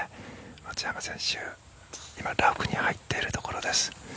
松山選手、今ラフに入っているところです。